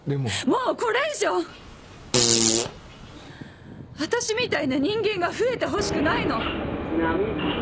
もうこれ以上私みたいな人間が増えてほしくないの。